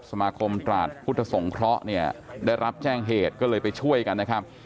สมาคมตราดพุทธสงเคราะห์เนี่ยได้รับแจ้งเหตุก็เลยไปช่วยกันนะครับ